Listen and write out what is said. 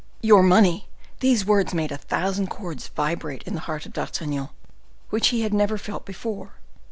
Your money! These words made a thousand chords vibrate in the heart of D'Artagnan, which he had never felt before.